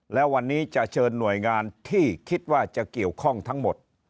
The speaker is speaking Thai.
แล้ววันนี้จะเชิญหน่วยงานที่คิดว่าจะเกี่ยวข้องทั้งหมด